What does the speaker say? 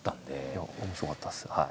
いや面白かったです。